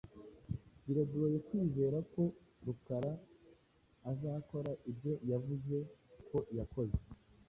Biragoye kwizera ko Rukara azakora ibyo wavuze ko yakoze.